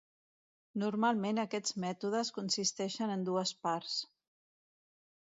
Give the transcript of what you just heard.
Normalment aquests mètodes consisteixen en dues parts.